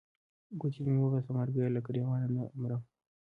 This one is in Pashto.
ګوتې مې وباسه مرګیه له ګرېوانه نه مرم.